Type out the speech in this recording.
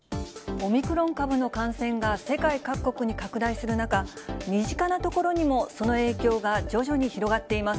オミクロン株の感染が世界各国に拡大する中、身近な所にもその影響が徐々に広がっています。